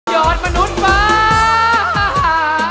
อดมนุษย์ว้า